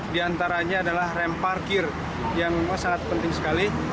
di antaranya adalah rem parkir yang sangat penting sekali